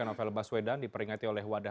novel baswedan diperingati oleh wadah